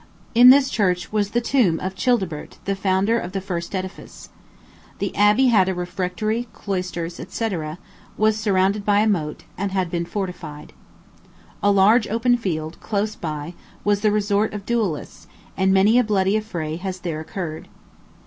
In this church was the tomb of Childebert, the founder of the first edifice. The abbey had a refectory, cloisters, &c, was surrounded by a moat, and had been fortified. A large open field, close by, was the resort of duellists, and many a bloody affray has there occurred.